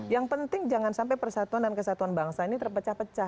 yang penting jangan sampai persatuan dan kesatuan bangsa ini terpecah pecah